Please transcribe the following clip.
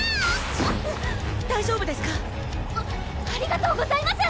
大丈夫ですか⁉あありがとうございます！